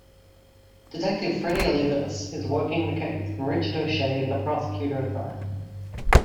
Detective Freddy Olivas is working the case and Richard O'Shea is the prosecutor assigned.